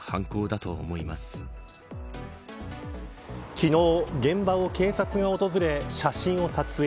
昨日、現場を警察が訪れ写真を撮影。